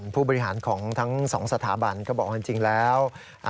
ผู้บริหารของทั้งสองสถาบันก็บอกว่าจริงแล้ว